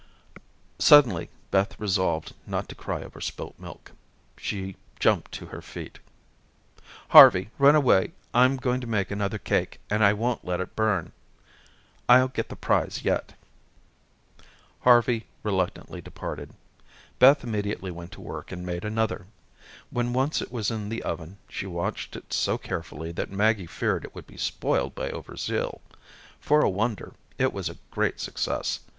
Suddenly Beth resolved not to cry over spilt milk. She jumped to her feet. "Harvey, run away. I'm going to make another cake, and I won't let it burn. I'll get the prize yet." Harvey reluctantly departed. Beth immediately went to work and made another. When once it was in the oven, she watched it so carefully that Maggie feared it would be spoiled by overzeal. For a wonder, it was a great success.